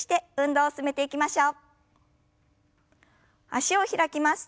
脚を開きます。